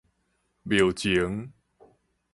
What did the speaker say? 廟前